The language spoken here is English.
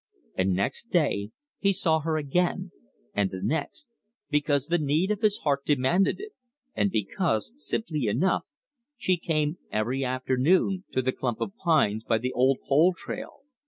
And next day he saw her again, and the next, because the need of his heart demanded it, and because, simply enough, she came every afternoon to the clump of pines by the old pole trail.